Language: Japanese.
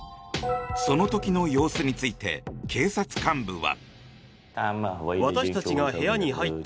その時の様子について警察幹部は。